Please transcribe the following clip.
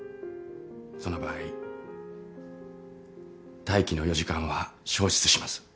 その場合待機の４時間は消失します。